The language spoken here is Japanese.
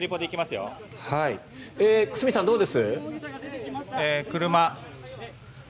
久須美さん、どうです？